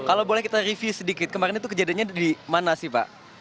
kalau boleh kita review sedikit kemarin itu kejadiannya di mana sih pak